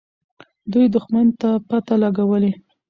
دوی دښمن ته پته لګولې.